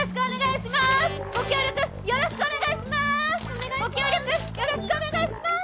ご協力よろしくお願いします！